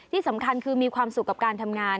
ที่สำคัญคือมีความสุขกับการทำงาน